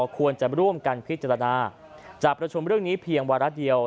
ควรจะร่วมกันพิจารณาจะประชุมเรื่องนี้เพียงวาระเดียว